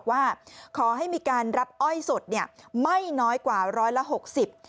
ว่าขอให้มีการรับอ้อยสดเนี่ยไม่น้อยกว่าร้อยละหกสิบ